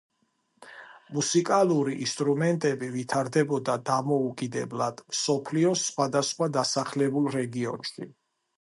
მუსიკალური ინსტრუმენტები ვითარდებოდა დამოუკიდებლად მსოფლიოს სხვადასხვა დასახლებულ რეგიონში.